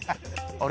あれ？